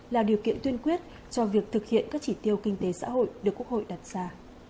là điều kiện tuyên quyết cho việc thực hiện các chỉ tiêu kinh tế xã hội được quốc hội đặt ra